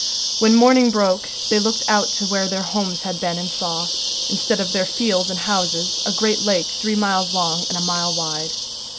When morning broke they looked out to where their homes had been and saw, instead of their fields and houses, a great lake three miles long and a mile wide.